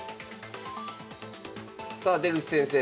さあ出口先生